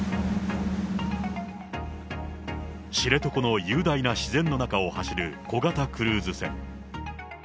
知床の雄大な自然の中を走る小型クルーズ船。